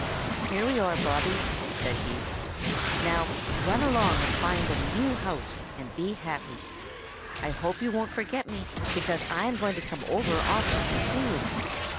"Here we are, Bobby," said he. "Now run along and find a new house and be happy. I hope you won't forget me, because I am going to come over often to see you.